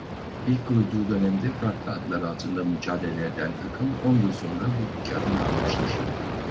İlk kurulduğu dönemde farklı adlar altında mücadele eden takım on yıl sonra bugünkü adını almıştır.